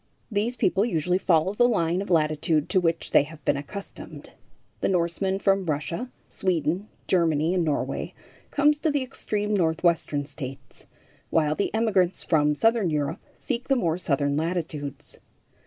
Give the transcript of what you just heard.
These people usually follow the line of latitude to which they have been accustomed. The Norseman from Russia, Sweden, Germany and Norway comes to the extreme Northwestern States, while the emigrants from southern Europe seek the more southern latitudes.